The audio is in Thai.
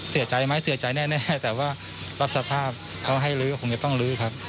เสียใจไหมเสียใจแน่แต่ว่ารับสภาพเขาให้ลื้อก็คงจะต้องลื้อครับ